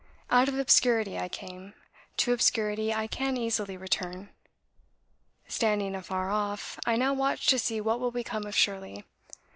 Out of obscurity I came, to obscurity I can easily return. Standing afar off, I now watch to see what will become of 'Shirley.'